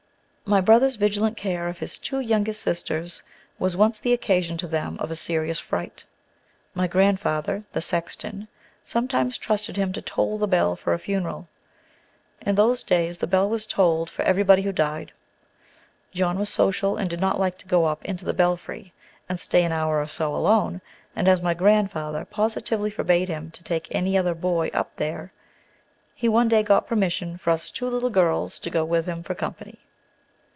My brother's vigilant care of his two youngest sisters was once the occasion to them of a serious fright. My grandfather the sexton sometimes trusted him to toll the bell for a funeral. In those days the bell was tolled for everybody who died. John was social, and did not like to go up into the belfry and stay an hour or so alone, and as my grandfather positively forbade him to take any other boy up there, he one day got permission for us two little girls to go with him, for company.